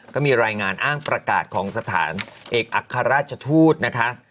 ก็มีรายงานอ้างประกาศของสถานเอกอัครราชทูตนะคะ